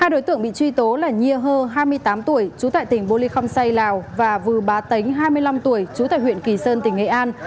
hai đối tượng bị truy tố là nhiê hơ hai mươi tám tuổi trú tại tỉnh bô lê không say lào và vư bá tánh hai mươi năm tuổi trú tại huyện kỳ sơn tỉnh nghệ an